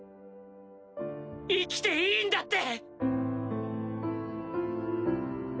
生きていいんだって。